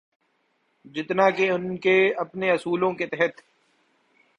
جتنا کہ ان کے اپنے اصولوں کے تحت۔